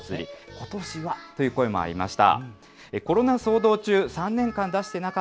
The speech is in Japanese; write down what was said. ことしはという声もありました。